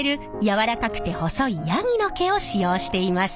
柔らかくて細いヤギの毛を使用しています。